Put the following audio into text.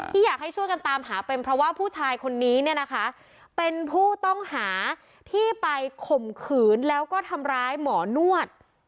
อยากให้ช่วยกันตามหาเป็นเพราะว่าผู้ชายคนนี้เนี่ยนะคะเป็นผู้ต้องหาที่ไปข่มขืนแล้วก็ทำร้ายหมอนวด